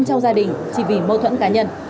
trong gia đình chỉ vì mâu thuẫn cá nhân